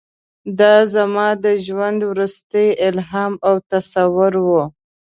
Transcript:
دا زما د ژوند وروستی الهام او تصور و.